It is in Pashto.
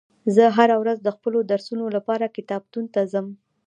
زه هره ورځ د خپلو درسونو لپاره کتابتون ته ځم